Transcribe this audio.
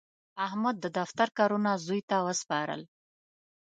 احمد د دفتر کارونه زوی ته وسپارل.